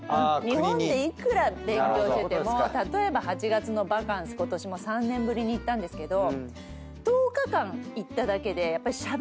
日本でいくら勉強してても例えば８月のバカンスことしも３年ぶりに行ったんですけど１０日間行っただけでやっぱりしゃべりますからね。